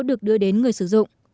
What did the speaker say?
được đưa đến người sử dụng